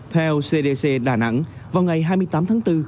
theo cdc đà nẵng vào ngày hai mươi tám tháng bốn